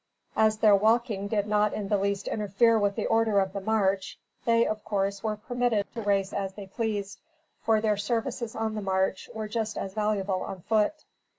As their walking did not in the least interfere with the order of the march, they of course were permitted to race as they pleased, for their services on the march are just as valuable on foot.